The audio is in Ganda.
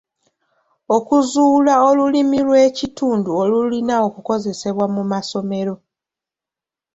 Okuzuula Olulimi lw'ekitundu olulina okukozesebwa mu masomero.